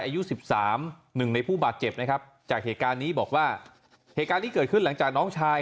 อายุสิบสามหนึ่งในผู้บาดเจ็บนะครับจากเหตุการณ์นี้บอกว่าเหตุการณ์ที่เกิดขึ้นหลังจากน้องชาย